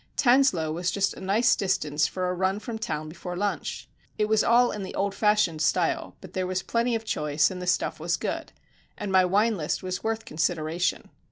Tanslowe was just a nice distance for a run from town before lunch. It was all in the old fashioned style, but there was plenty of choice and the stuff was good; and my wine list was worth consideration.